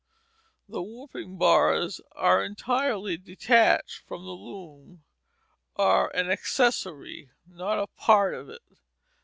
The warping bars are entirely detached from the loom, are an accessory, not a part of it.